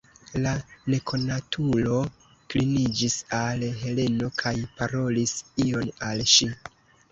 La nekonatulo kliniĝis al Heleno kaj parolis ion al ŝi.